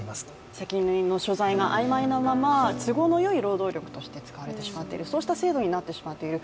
責任の所在があいまいなまま都合のいい労働力として使われてしまっているそうした制度になってしまっている。